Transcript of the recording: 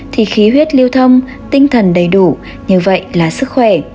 thì khí huyết lưu thông tinh thần đầy đủ như vậy là sức khỏe